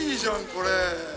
これ。